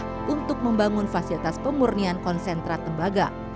dan membangun fasilitas pemurnian konsentrat tembaga